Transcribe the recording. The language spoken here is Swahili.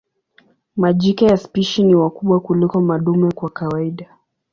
Majike ya spishi ni wakubwa kuliko madume kwa kawaida.